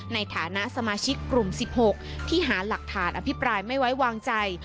ในฐานะสมาชิกกลุ่ม๑๖ที่หาหลักฐานอภิปรายไม่ไว้วางใจ